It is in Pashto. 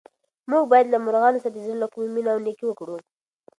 موږ باید له مرغانو سره د زړه له کومې مینه او نېکي وکړو.